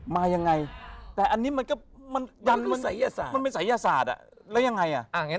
มายังไงแต่อันนี้มันก็ยันมันเป็นสัยศาสตร์แล้วยังไง